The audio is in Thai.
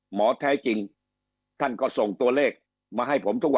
หมอแท้จริงท่านก็ส่งตัวเลขมาให้ผมทุกวัน